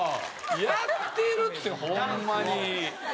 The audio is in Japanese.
やってるってホンマに。